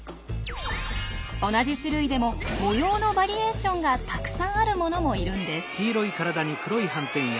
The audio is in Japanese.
同じ種類でも模様のバリエーションがたくさんあるものもいるんです。